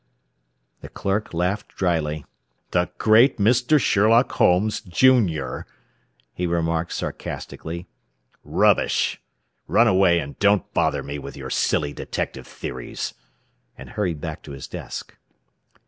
The clerk laughed drily. "The great Mr. Sherlock Holmes, junior!" he remarked sarcastically. "Rubbish. Run away and don't bother me with your silly detective theories," and turned back to his desk.